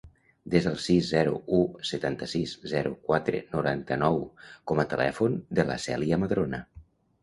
Desa el sis, zero, u, setanta-sis, zero, quatre, noranta-nou com a telèfon de la Cèlia Madrona.